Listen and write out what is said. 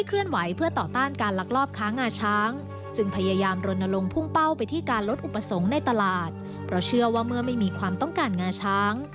และลดอุปสรรคในตลาดเพราะเชื่อว่าเมื่อไม่มีความต้องการงาช้าง